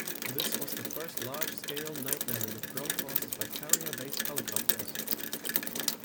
This was the first large-scale night landing of ground forces by carrier-based helicopters.